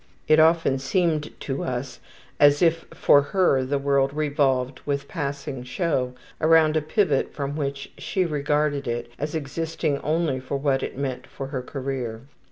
It often seemed to us as if for her the world revolved, with passing show, around a pivot from which she regarded it as existing only for what it meant for her career.